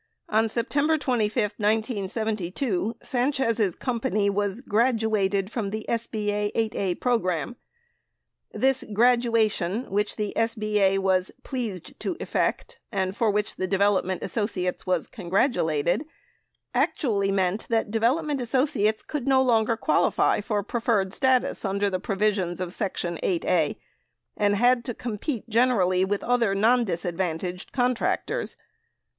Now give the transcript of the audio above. On September 25, 1972, Sanchez' company was "graduated" from the SB A 8(a) program. 93 This graduation, which the SB A was "pleased" to effect and for which Development Associates was "congratulated," actually meant that Development Associates could no longer qualify for preferred status under the provisions of section 8(a) and had to compete generally with other nondisadvantaged contractors.